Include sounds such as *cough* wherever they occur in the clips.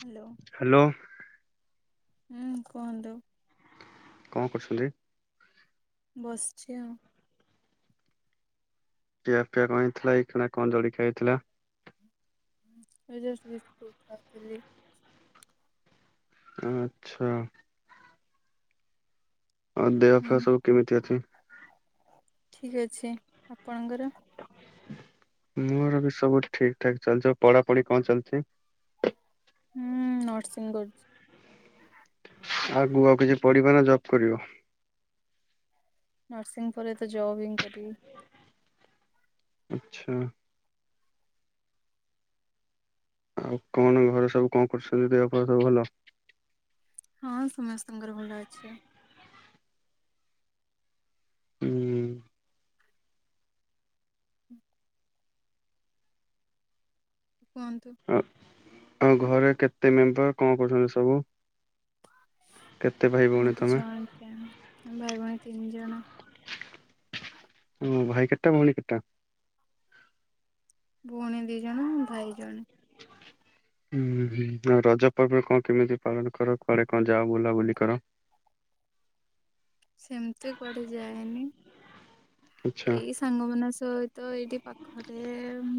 Hello. Hello. ହୁଁ କୁହନ୍ତୁ। କଣ କରୁସନ୍ତି? ବସିଚି ଆଉ। ଖିଆ ପିଆ କଣ ହେଇଥିଲା ଏଇ ଖଣା କଣ ଜଳିଖିକା ହେଇଥିଲା? ଏଇ ଜଷ୍ଟ ବିସ୍କୁଟ ଖାଉଥିଲି। ଆଚ୍ଛା। ଆଉ ଦେହ ହୁଁ ଫେହ ସବୁ କେମିତି ଅଛି? ଠିକ୍ ଅଛି। ଆପଣଙ୍କର? ମୋର ବି ସବୁ ଠିକ ଠାକ ଚାଲିଛି। ପଢାପଢି କଣ ଚାଲିଛି? ହୁଁ ନରସିଂହୁ କରୁଛି। ଆଗକୁ ଆଉ କିଛି ପଢିବ ନା ଜବ୍ କରିବ? ନର୍ସିଂ ପରେ ତ ଜବ ହିଁ କରିବି। ଆଚଛା। ଆଉ କଣ ଘରେ ସବୁ କଣ କରସାରିଲେ, ଦେହ ପା ସବୁ ଭଲ? ହଁ ସମସ୍ତଙ୍କର ଭଲ ଅଛି। ହୁଁ କୁହନ୍ତୁ। ଆଉ ଘରେ କେତେ ମେମ୍ବର? କଣ କରୁଛନ୍ତି ସବୁ? କେତେ ଭାଇ ଭଉଣୀ ତମେ? *unintelligible* ଭାଇ ଭଉଣୀ ତିନି ଜଣ। ଓ ଭାଇ କେତେଟା ଭଉଣୀ କେତେଟା? ଭଉଣୀ ଦି ଜଣ ଭାଇ ଜଣେ। *inaudible* ହୁଁ ହୁଁ ଆଉ ରଜ ପର୍ବଣି କଣ କେମିତି ପାଳନ କର? କୁଆଡେ କଣ ଯାଅ ବୁଲାବୁଲି କର? ସେମିତି କୁଆଡେ ଯାଏନି। ଆଚ୍ଛା ଏଇ ସ ସାଙ୍ଗ ମଙ୍କ ସହିତ ଏଇଠି ପାଖରେ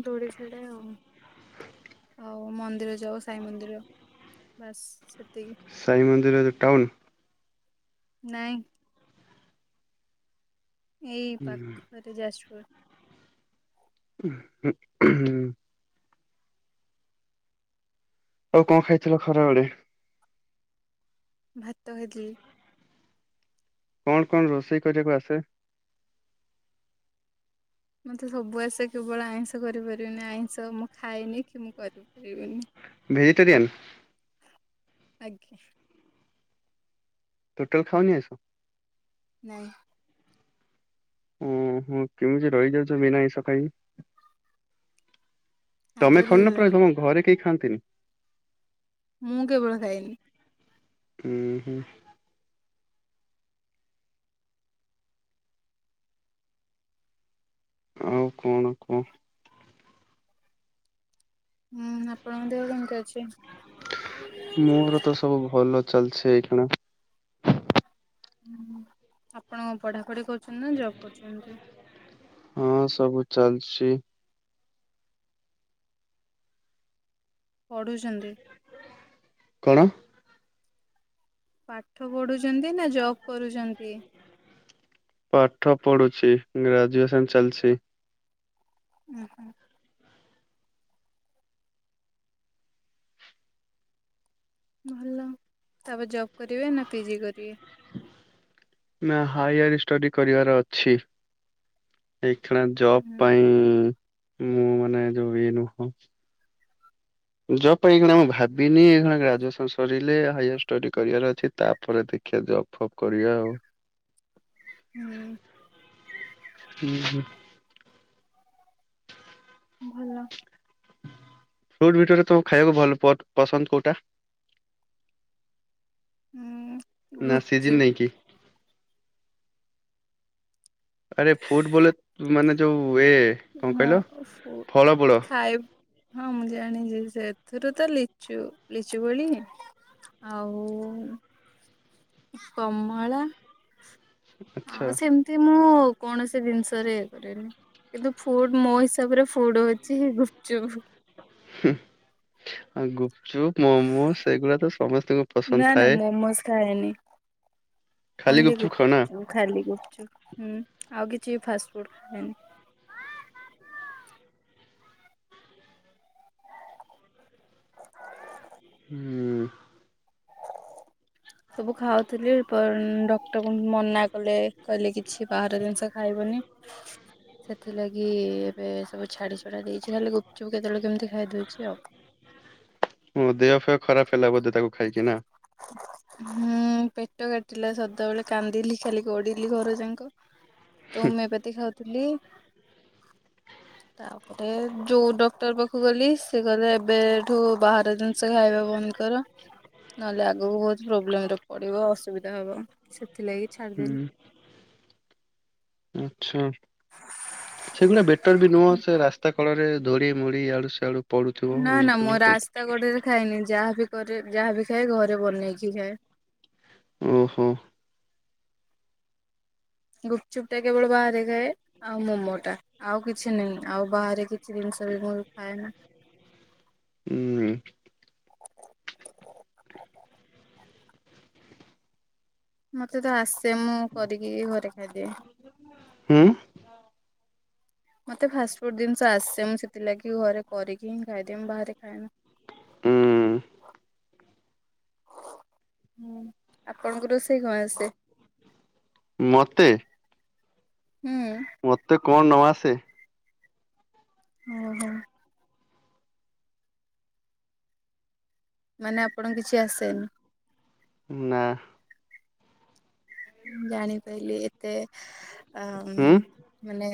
ଦୋଳି ଝୁଲେ ଆଉ। ଆଉ ମନ୍ଦିର ଯାଉ ସାଇ ମନ୍ଦିର ବାସ୍ ସେତିକି। ସାଇ ମନ୍ଦିର ରେ ଟାଉନ୍? ନାଇଁ। ଏଇ ପାଖରେ ଯାଜପୁର। ହ। ଆଉ କଣ ଖାଇଥିଲ ଖରା ବେଳେ। ଭାତ ଖାଇଥିଲି। କଣ କଣ ରୋଷେଇ କରିବାକୁ ଆସେ? ମତେ ସବୁ ଆସେ କେବଳ ଆଇଁଷ କରିପାରିବନି। ଆଇଁଷ ମୁଁ ଖାଇଏନି କି ମୁଁ କରିପାରିବିନି। ଭେଜିଟେରିୟନ୍? ଆଜ୍ଞା। ଟୋଟାଲ ଖାଅନି ଆଇଁଷ? ନାଇଁ। ଓ ହ କେମିତି ରହିଯାଉଛ ବିନା ଆଇଁଷ ଖାଇକି। ତମେ ଆଦତ ଖାଉନ ନା ପ୍ରାୟ ହେଇଗଲାଣି ତମ ଘରେ କେହି ଖାଆନ୍ତିନି। ମୁଁ କେବଳ ଖାଏନି। ହୁଁ ହୁଁ। ଆଉ କଣ କୁହ? ହୁଁ ଆପଣଙ୍କ ଦେହ କେମିତି ଅଛି? ମୋର ତ ସବୁ ଭଲ ଚାଲିଛି ଏୟୀଖେଣା। ଆପଣ ପଢାପଢି କରୁଛନ୍ତି ନା ଜବ୍ କରୁଛନ୍ତି? ହଁ ସବୁ ଚାଲିଛି। ପଢ଼ୁଛନ୍ତି? କଣ? ପାଠ ପଢୁଛନ୍ତି ନା ଜବ କରୁଛନ୍ତି? ପାଠ ପଢୁଛି ଗ୍ରାଜୁଏସନ ଚାଲିଛି। ହୁଁ ହୁଁ। ଭଲ ତାପରେ ଜବ୍ କରିବେ ନା ପିଜି କରିବେ? ନା ହାୟର ଷ୍ଟଡି କରିବାର ଅଛି। ଏଇକ୍ଷିଣା ଜବ୍ ହୁଁ ପାଇଁ ମୁଁ ମାନେ ଯୋଉ ଇ ନୁହଁ ଜବ୍ ପାଇଁ ଏଇକ୍ଷିଣା ମୁଁ ଭାବିନି ଏଇକ୍ଷିଣା ଗ୍ରାଜୁଏସନ୍ ସରିଲେ ହାୟର ଷ୍ଟଡ଼ି କରିବାର ଅଛି। ତାପରେ ଦେଖିଆ ଜବ୍ ଫବ୍ କରିବା ଆଉ। ହୁଁ। ହୁଁ ହୁଁ। ଭଲ। ଫ୍ରୁଟ୍ ଭିତରେ ତମୁ ଖାଇବାକୁ ଭଲ ପଟ୍ ପସନ୍ଦ କୋଉଟା? ଉଁ ନାଁ ସିଜିିନ୍ ନେଇକି। ଆରେ ଫ୍ରୁଟ୍ ବୋଲେ ମାନେ ଯୋଉ ଏ କଣ କହିଲ ହଁଓ ଫୁ ଫଳ ମୂଳ ଖାଇ ହଁ ମୁଁ ଜାଣିଚି। ସେଥିରୁ ତ ଲିଚୁ ଲିଚୁ କୋଳି। ଆଉ କମଳା ଆଚ୍ଛା। ଆଉ ସେମ୍ ତି ମୁଁ କୌଣସି ଦିନିଷରେ ଇଏ କରେନି। କିନ୍ତୁ ଫୁଡ଼୍ ମୋ ହିସାବରେ ଫୁଡ଼୍ ହୋଉଚି ଗୁପଚୁପ୍। ହୁଁ ଅ ଗୁପଚୁପ୍ ମୋମୋସ୍ ସେଗୁଡ଼ା ତ ସମସ୍ତଙ୍କୁ ପସନ୍ଦ ଥାଏ। ମୋସ୍ ଖାଏନି। ଖାଲି ଗୁପଚୁପ୍ ଖାଅ ନା? ଉଁ ଖାଲି ଗୁପ୍ଚପପ୍। ହୁଁ ଆଉ କିଛି ଫାଷ୍ଟ ଫୁଡ଼୍ ଖାଏନି। ଆ। ହୁଁ। ସବୁ ଖାଉଥୁଲି ପ ଡକ୍ଟର ମନା କଲେ କହିଲେ କିଛି ବାହାର ଜିନିଷ ଖାଇବନି। ମୁଁ ହିଁ ମନା କଲି। ସେଥିଲାଗି ଏବେ ସବୁ ଛାଡ଼ି ଛୁଡ଼ା ଦେଇଚି। ଖାଲି ଗୁପଚୁପ୍ କେତୋଳେ କେମିତି ଖାଇଦୋଉଚି ଆଉ। ଓ ଦେହ ଫେହ ଖରାପ ହେଲା ବୋଧ ତାକୁ ଖାଇକି ନା? ହୁଁ ପେଟ କାଟିଲା ସଦାବେଳେ। କାନ୍ଦିଲି ଖାଲି ଗଡି଼ଲି ଘର ଯାଁକ। *unintelligible* ତ ହୋମିଏପାତି ଖାଉଥୁଲି। ତା ପ ଏ ଯୋଉ ଡକ୍ଟର ପାଖୁକୁ ଗଲି ସେ କଇଲେ ଏବେଠୁ ବାହାର ଜିନିଷ ଖାଇବା ବନ୍ଦ କର। ନହେଲେ ଆଗୁକୁ ବହୁତ ପ୍ରୋବ୍ଲେମ୍ ରେ ପଡ଼ିବ। ଅସୁବିଧା ହବ ସେଥିଲାଗି ହୁଁ ଛାଡ଼ିଦେଲି। ଆଚ୍ଛା। ସେଗୁଡ଼ା ବେଟର୍ ବି ନୁହଁ ସେ ରାସ୍ ତା କଡ଼ରେ ଧୂରି ମରି ୟାଡ଼ୁ ସ୍ୟାଡ଼ୁ ପଡୁଥୁବ, ନା ନା ମୁଁ ଉଡ଼ୁଥୁବ ସେ ରାସ୍ତା ତ କଡରେ ଖାଏନି ଯାହାବି କରେ ଯାହା ବିି ଖାଏ ଘରେ ବନେଇକି ଖାଏ। ଓହୋ। ଗୁପଚୁପ୍ ଟା କେବଳ ବାହାରେ ଖାଏ। ଆଉ ମୋମୋଟା ଆଉ କିଛି ନାହିଁ। ଆଉ ବାହାରେ କିଛି ଜିନିଷ ବି ମୁଁ ଖାଏନା। ଉଁ ମତେ ତ ଆସେ ମୁଁ କରିକି ଘରେ ଖାଇଦିଏ। ହୁଁ? ମତେ ଫାଷ୍ଟ ଫୁଡ଼୍ ଦିନିଷ ଆସେ। ମୁଁ ସେଥିଲାଗି ଘରେ କରିକି ହିଁ ଖାଇଦିଏ ମୁଁ ବାହାରେ ଖାଏନି। ଉଁ। ହୁଁ ଆପଣଙ୍କୁ ରୋଷେଇ କଁ ଆସେ? ମତେ? ହୁଁ। ମତେ କଣ ନ ଆସେ? ଓହୋ। ମାନେ ଆପଣଙ୍କୁ କିଛି ଆସେନି। ନା। ଜାଣିପାଇଲି ଏତେ ଆ, ହୁଁ ଉଁ, ମାନେ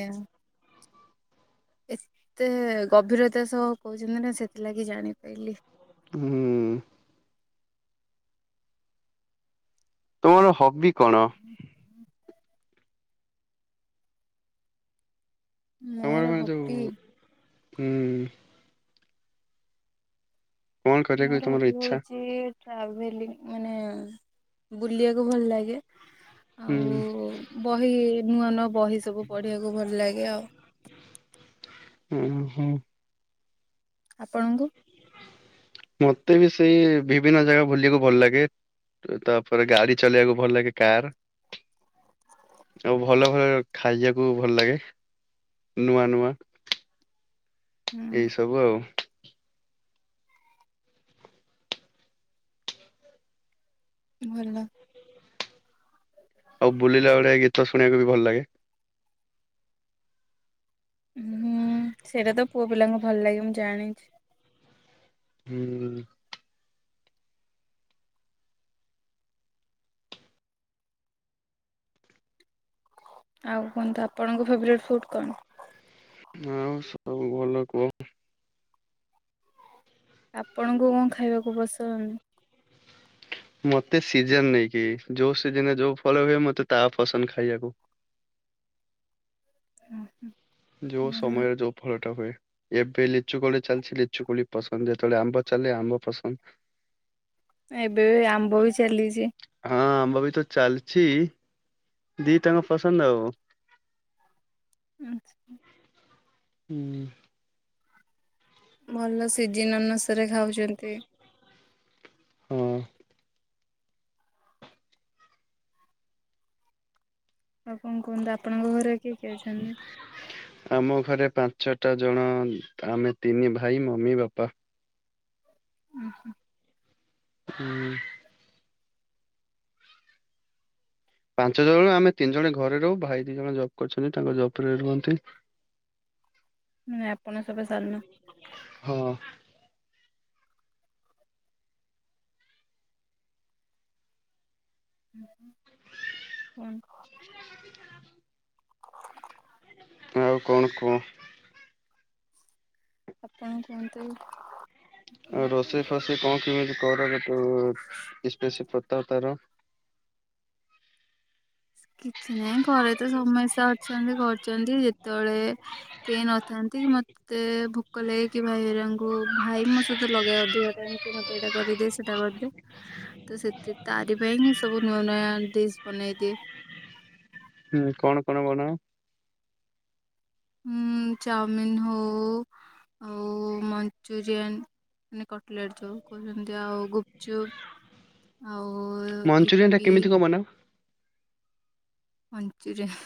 ଏତେ ଗଭୀରତା ସହ କହୁଛନ୍ତି ନା ସେଥିଲାଗି ଜାଣିପାଇଲି। ହୁଁ। ତୁମର ହବି କଣ? ମୋର ତୋମର ମାନେ ଯୋଉ ହବି ଉଁ, କଣ କରିବାକୁ ମୋର ତମର ହବି ଇଚ୍ଛା ହଉଚି ଟ୍ରାଭେଲିଂ ମାନେ ବୁଲିବାକୁ ଭଲ ଲାଗେ। ହୁଁ। ଆଉ ବହି ନୂଆ ନୂଆ ବହି ସବୁ ପଢିବାକୁ ଭଲ ଲାଗେ ଆଉ। ଅଁ, ହଁ। ଆପଣଙ୍କୁ? ମୋତେ ବି ସେଇ ବିଭିନ୍ନ ଜାଗା ବୁଲିବାକୁ ଭଲ ଲାଗେ। ତ ତାପରେ ଗାଡି ଚଲେଇବାକୁ ଭଲ ଲାଗେ କାର୍। ଆଉ ଭଲ ଭଲ ଖାଇବାକୁ ଭଲ ଲାଗେ। ନୂଆ ନୂଆ ହୁଁ ଏଇ ସବୁ ଆଉ। ଭଲ। ଆଉ ବୁଲିଲା ବେଳେ ଗୀତ ଶୁଣିବାକୁ ବି ଭଲ ଲାଗେ। ହୁଁ, ସେଇଟା ତ ପୁଅ ପିଲାଙ୍କୁ ଭଲ ଲାଗେ ମୁଁ ଜାଣିଛି। ହୁଁ। ଆଉ କୁହନ୍ତୁ ଆପଣଙ୍କ ଫେବରେଟ୍ ଫୁଡ଼୍ କଣ? ଆଉ ସବୁ ଭଲ, କୁହ। ଆପଣଙ୍କୁ କଣ ଖାଇବାକୁ ପସନ୍ଦ? ମୋତେ ସିଜନ୍ ନେଇକି, ଯୋଉ ସିଜନ୍ ରେ ଯୋଉ ଫଳ ହୁଏ ମୋତେ ତା ପସନ୍ଦ ଖାଇବାକୁ। ଓ, ହୁଁ। ଯୋଉ ସମୟରେ ଯୋଉ ଫଳ ଟା ହୁଏ। ଏବେ ଲିଚୁ କୋଳି ଚାଲିଛି ଲିଚୁ କୋଳି ପସନ୍ଦ। ଯେତେବେଳେ ଆମ୍ବ ଚାଲେ ଆମ୍ବ ପସନ୍ଦ। ଏବେ ବି ଆମ୍ବ ବି ଚାଲିଛି। ହଁ ଆମ୍ବ ବି ତ ଚାଲିଛି, ଦି ଟା ଯାଙ୍କ ପସନ୍ଦ ଆଉ। ଆଚ୍ଛା। ହୁଁ। ଭଲ ସିଜନ୍ ଅନୁସାରେ ଖାଉଛନ୍ତି। ହଁ। ଆଉ କଣ କୁହନ୍ତୁ, ଆପଣଙ୍କ ଘରେ କିଏ କିଏ ଅଛନ୍ତି? ଆମ ଘରେ ପାଞ୍ଚଟା ଜଣ, ଆମେ ତିନି ଭାଇ ମମି, ବାପା। ଓହୋ। ହୁଁ,। ପାଞ୍ଚ ଜଣ ଆମେ ତିନି ଜଣ ଘରେ ରହୁ। ଭାଇ ଦି ଜଣ ଜବ୍ କରିଛନ୍ତି ତାଙ୍କ ଜବ୍ ରେ ରୁହନ୍ତି। *inaudible* ନା ଆପଣ ସବା ସାନ? ହଁ। *inaudible* *inaudible* ଆଉ କଣ କୁହ? ଆପଣ କୁହନ୍ତୁ। ଆଉ ରୋଷେଇ ଫଷେଇ କଣ କିମିତି କର, *unintelligible* ଇସ୍ପେଶି ବତାଓ ତାର? କିଛି ନାହିଁ ଘରେ ତ ସମସ୍ତେ ଅଛନ୍ତି କରୁଚନ୍ତି। ଯେତେବେଳେ କେ ନଥାନ୍ତି କି ମୋତ ତେ ଭୁକ ଲାଗେ କି ଭାଇହେରାଙ୍କୁ ଭାଇ ମୋ ସହିତ ଲଗାଏ ଅଧିକ ଟାଇମ୍ କି ମୋ ତେ ଏଇଟା କରିଦେ, ସେଟା କରିଦେ। ତୁ ସେ-ତେ-ତେ ତାରି ପାଇଁ ହିଁ ସବୁ ନୂଆ ନୂଆ ଡିସ୍ ବନେଇଦିଏ। ହୁଁ କଣ କଣ ବନାଅ? ହୁଁ ଚଉମିନ୍ ହଉ ଆଉ ମଞ୍ଚୁରିଆନ୍ ମାନେ କଟଲେଟ ଯଉ କହୁଛନ୍ତି ଆଉ ଗୁପଚୁପ ଆଉ ମଞ୍ଚୁରିଆନ ଟା ଇପି କେମିତି କଣ ବନାଅ? ମଂଞ୍ଚୁରିଆ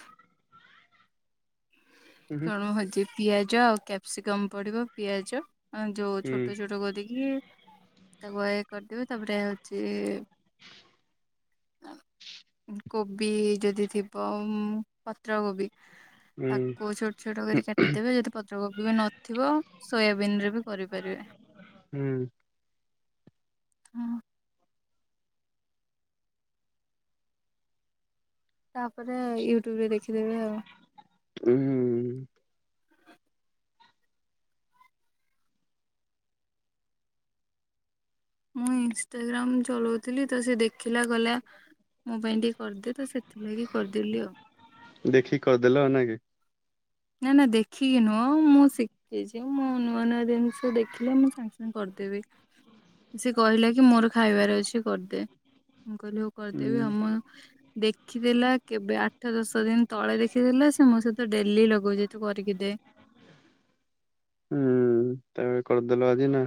ହୁଁ ଚଣ ଭାଜି ପିଆଜ ଆଉ କ୍ୟାପ୍ସିକମ୍ ପଡ଼ିବ ପିଆଜ ଯୋଉ ହୁଁ ଛୋଟ ଛୋଟ କରିକି ତାକୁ ଏ କରିଦେବ ତା ପରେ ଏ ହଉଛି କୋବି ଯଦି ଥିବ ପତ୍ର କୋବି ହୁଁ କୋଉ ଛୋଟ ଛୋଟ କରି କାଟିଦେବେ ଯଦି ପତ୍ରକୋବି ବି ନଥିବ ସୋୟାବିନ ରେ ବି କରି ପାରିବେ। ହୁଁ ହଁ ତା ପରେ ୟୁଟ୍ୟୁବ୍ ରେ ଦେଖି ଦେବେ ଆଉ। ଉ ହୁ, ହୁ। ମୁଁ ଇନଷ୍ଟାଗ୍ରାମ୍ ଚଳଉଥିଲି ତ ସେ ଦେଖିଲା ଗଲା ମୋ ପାଇଁ ଟିକେ କରିଦିଏ ତ ସେଥିଲାଗି କରିଦେଲି ଆଉ ଦେଖିକି କରି ଦେଲା ନା କି। ନା ନା ଦେଖିକି ନୁହଁ ମୁଁ ଶିଖ ଛି ମୁଁ ନୂଆ ନୂଆ ଜିନିଷ ଦେଖିଲେ ମୁଁ ସାଙ୍ଗେ ସାଙ୍ଗେ କରିଦେବି। ସେ କହିଲା କି ମୋର ଖାଇବାର ଅଛି କରି ଦେ। ମୁଁ କହିଲି ହଉ ହୁଁ କରିଦେବି ଆଉ ମୁଁ ଦେଖ ଦେଖିଦେଲା କେବେ ଆଠ ଦଶ ଦିନ ତଳେ ଦେଖିଦେଲା ସେ ମୋ ସହିତ ଡେଲି ଲଗଉଛି ତୁ କରିକି ଦେ ହୁଁ ଉ ତମେ କରିଦେଲ ଆଜି ନା।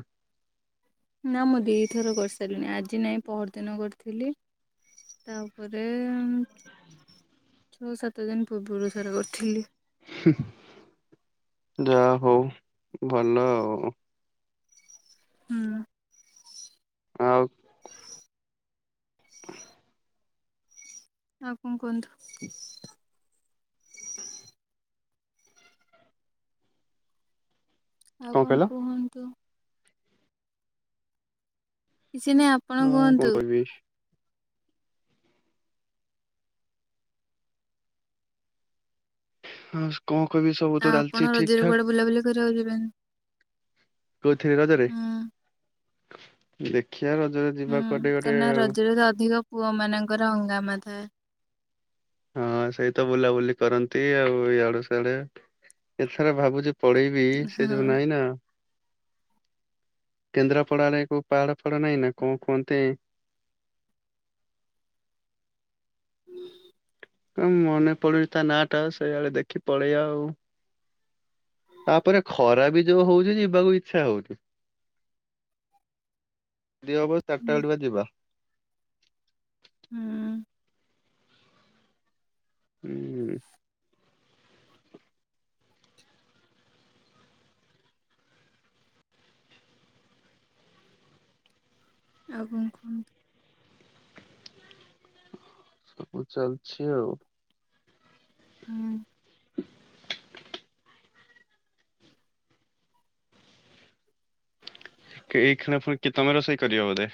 ନା ମୁଁ ଦିଇଥର କରି ସାରିଲିଣି ଆଜି ନାହିଁ ପହର ଦିନ କରିଥିଲି। ତା ପରେ ଛଅ ସାତ ଦିନ ପୂର୍ବରୁ ଥରେ କରିଥିଲି। ହୁଁ, ଯାହା ହଉ ଭଲ ଆଉ। ହୁଁ ଆଉ ଆଉ କଣ କୁହନ୍ତୁ? ଆଉ କଣ କୁହନ୍ତୁ? କିଛି ନାହିଁ ଆପଣ ଆଉ କଣ କୁହନ୍ତୁ। କହିବି? ହଁ, କଣ କହିବି ସବୁ ତ ଆପଣ ଚାଲିଛି ଠିକ୍ ରଜରେ କୁଆଡେ ଠାକ୍। ବୁଲାବୁଲି ଘର ଆଉ ଯିବେନି? କୋଉଥିରେ ରଜରେ ହୁଁ ଦେଖି ବା ରଜରେ ହୁଁ, ଯିବା କୁଆଡେ କାହିଁକି ଗୋଟେ ନା ଆଉ। ରଜରେ ତ ଅଧିକ ପୁଅ ମାନଙ୍କର ହଙ୍ଗାମା ଥାଏ। ହଁ, ସେଇ ତ ବୁଲାବୁଲି କରନ୍ତି, ଇଆଡେ ସିଆଡେ ଏଥର ଭାବୁଛି ପଳେଇବି ସେ ହଁ। ଯଉ ନାହିଁ ନା କେନ୍ଦ୍ରାପଡା ରେ କୋଉ ପାହାଡ ଫାହାଡ ନାଇଁ ନା କଣ କୁହନ୍ତ *unintelligible* ମନେ ପଡୁଚି ତା ନାଁ ଟା ସେଇଆଡେ ଦେଖି ପଳେଇବା ଆଉ ତା ପରେ ଖରା ବି ଯୋଉ ହଉଛି ଯିବାକୁ ଇଚ୍ଛା ହଉନି। ଦି ହବ ଚାରିଟା ବଳୁଆ ଯିବା। ହୁଁ ଉ ହୁଁ। ଆଉ କଣ କୁହନ୍ତୁ? କାମ ଚାଲିଛି ଆଉ ହୁଁ *unintelligible* ଏଇ କ୍ଷଣୀ କି ତମେ ରୋଷେଇ କରିବ ବୋଧେ?